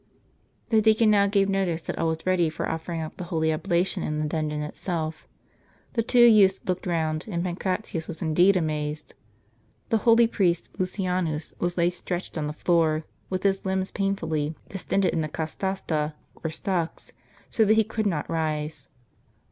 The deacon now gave notice that all was ready for offering up the holy oblation in the dungeon itself. The two youths looked round, and Pancratius was indeed amazed. The holy priest Lucianus was laid stretched on the floor, with his limbs painfully distended in the catasta or stocks, so that he could not rise.